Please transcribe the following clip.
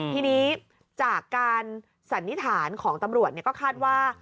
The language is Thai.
ทีนี้จากการสันนิษฐานของตำรวจก็คาดว่า